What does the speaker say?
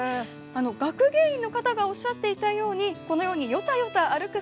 学芸員の方がおっしゃっていたようにヨタヨタ歩く